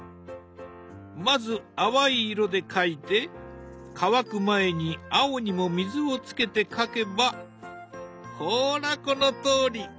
まず淡い色で描いて乾く前に青にも水をつけて描けばほらこのとおり。